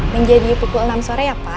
menjadi pukul enam sore ya pak